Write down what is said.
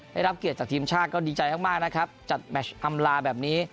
ได้รับเกียรติจากทีมชาติก็ดีใจมากนะครับจัดแมชอำลาแบบนี้